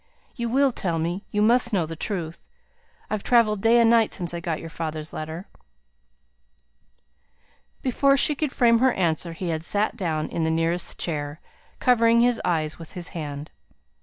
You will tell me you must know the truth! I've travelled day and night since I got your father's letter." Before she could frame her answer, he had sate down in the nearest chair, covering his eyes with his hand.